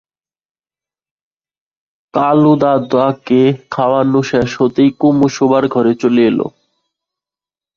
কালুদাদাকে খাওয়ানো শেষ হতেই কুমু শোবার ঘরে চলে এল।